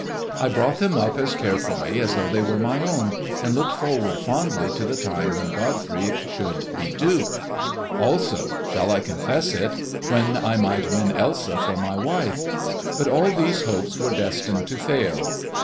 I brought them up as carefully as though they were my own, and looked forward fondly to the time when Godfrey should be duke; also—shall I confess it?—when I might win Elsa for my wife. But all these hopes were destined to fail.